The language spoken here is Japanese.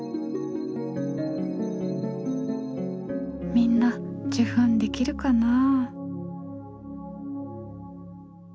みんな受粉できるかなあ？